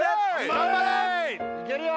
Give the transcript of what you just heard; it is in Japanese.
頑張れ！いけるよ！